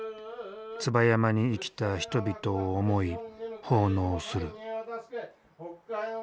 椿山に生きた人々を思い奉納する。